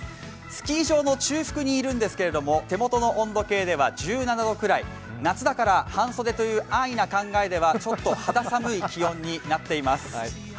スキー場の中腹にいるんですけど、手元の温度計では１７度ぐらい、夏だから半袖という安易な考えではちょっと肌寒い気温になっています。